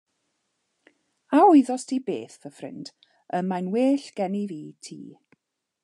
A wyddost ti beth fy ffrind, y mae'n well gennyf i ti.